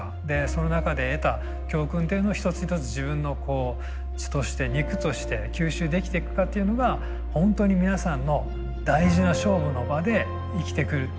その中で得た教訓っていうのを一つ一つ自分の血として肉として吸収できてくかっていうのがホントに皆さんの大事な勝負の場で生きてくるって